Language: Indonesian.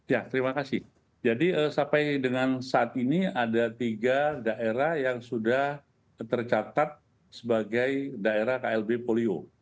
ya terima kasih jadi sampai dengan saat ini ada tiga daerah yang sudah tercatat sebagai daerah klb polio